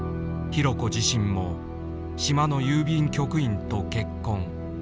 ヒロ子自身も島の郵便局員と結婚。